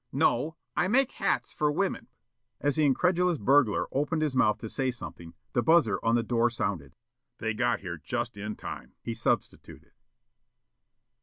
"No, I make hats for women." As the incredulous burglar opened his mouth to say something the buzzer on the door sounded. "They got here just in time," he substituted.